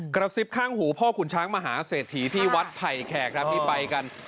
กระซิบข้างหูพ่อขุนช้างมหาเศรษฐีที่วัดไผ่แขกครับที่ไปกัน